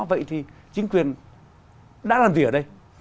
vậy thì chính quyền đã làm gì ở đây